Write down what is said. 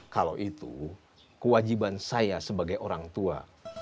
kalau itu kewajiban saya sebagai orang tua